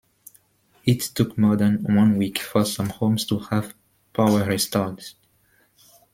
It took more than one week for some homes to have power restored.